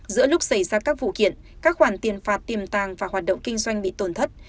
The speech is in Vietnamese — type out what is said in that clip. giữa lúc xảy ra các vụ kiện các khoản tiền phạt tiềm tàng và hoạt động kinh doanh bị tổn thất